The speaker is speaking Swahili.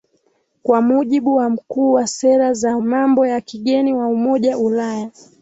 kwa mujibu wa mkuu wa sera za mambo ya kigeni wa umoja ulaya